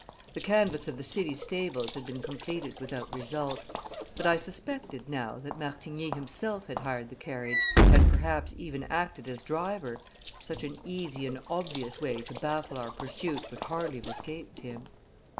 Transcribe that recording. The canvass of the city stables had been completed without result, but I suspected now that Martigny himself had hired the carriage, and had, perhaps, even acted as driver such an easy and obvious way to baffle our pursuit would hardly have escaped him.